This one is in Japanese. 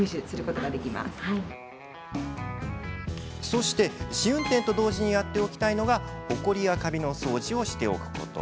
そして試運転と同時にやっておきたいのがほこりやカビの掃除をしておくこと。